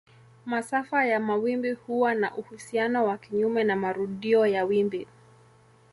Masafa ya mawimbi huwa na uhusiano wa kinyume na marudio ya wimbi.